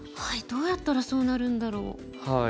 どうやったらそうなるんだろう。